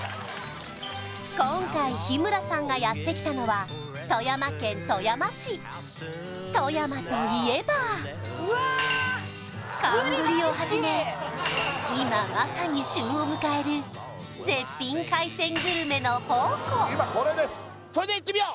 今回日村さんがやってきたのは富山といえば寒ブリをはじめ今まさに旬を迎える絶品海鮮グルメの宝庫それではいってみよう